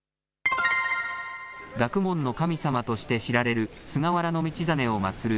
学問の神様として知られる菅原道真を祭る